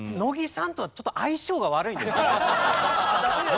ダメですか。